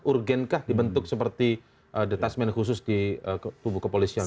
urgenkah dibentuk seperti detasmen khusus di tubuh kepolisian